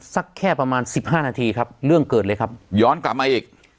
สักแค่ประมาณสิบห้านาทีครับเรื่องเกิดเลยครับย้อนกลับมาอีก